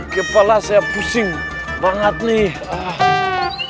kepala saya pusing banget nih